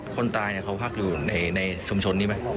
คนตายเขาพักอยู่ในชุมชนนี้ไหม